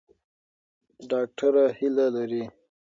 ډاکټره هیله لري.